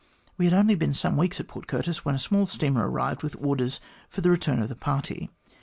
We had only been some weeks at Port Curtis, when a small steamer arrived with orders for the return of the party.